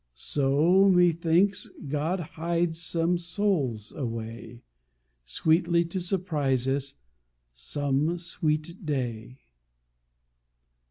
So, methinks, God hides some souls away, Sweetly to surprise us some sweet day.